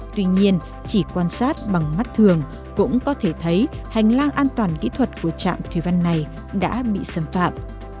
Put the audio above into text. tuy nhiên chỉ quan sát bằng mắt thường cũng có thể thấy hành lang an toàn kỹ thuật của trạm thủy văn này đã bị xâm phạm